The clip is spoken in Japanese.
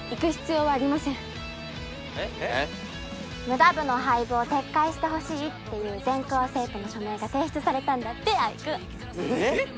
ムダ部の廃部を撤回してほしいっていう全校生徒の署名が提出されたんだって葵君えっ？えっ？